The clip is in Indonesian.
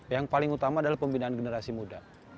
yang paling utama adalah pembinaan generasi muda